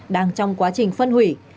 đang trong quá trình phân hủy